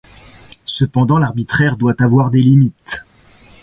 Cependant l’arbitraire doit avoir des limites.